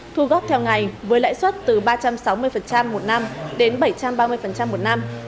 thu góp theo ngày với lãi suất từ ba trăm sáu mươi một năm đến bảy trăm ba mươi một năm